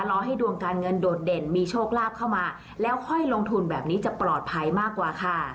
รอให้ดวงการเงินโดดเด่นมีโชคลาภเข้ามาแล้วค่อยลงทุนแบบนี้จะปลอดภัยมากกว่าค่ะ